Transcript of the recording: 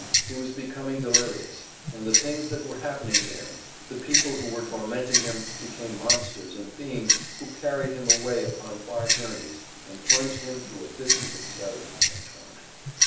He was becoming delirious, and the things that were happening to him, the people who were tormenting him, became monsters and fiends who carried him away upon far journeys, and plunged him thru abysses of terror and torment.